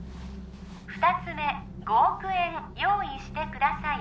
二つ目５億円用意してください